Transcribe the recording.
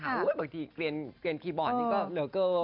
บางทีเกลียนคีย์บอร์ดนี่ก็เหลือเกิน